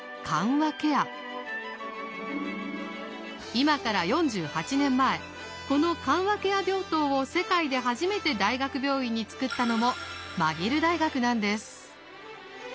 今から４８年前この緩和ケア病棟を世界で初めて大学病院に作ったのもマギル大学なんです。